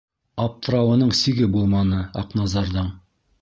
Аптырауының сиге булманы Аҡназарҙың.